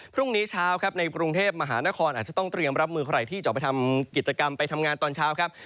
พรุ่งนี้เช้าครับในกรุงเทพมหานครอาจจะต้องเตรียมรับมือใครที่จะออกไปทำกิจกรรมไปทำงานตอนเช้าครับ